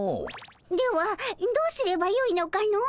ではどうすればよいのかの？